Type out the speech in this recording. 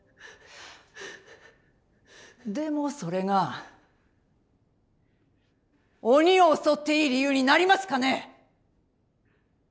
でもそれが鬼を襲っていい理由になりますかね！